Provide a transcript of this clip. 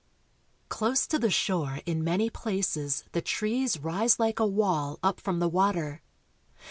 Close to the shore in many places the trees rise like a wall up from the water.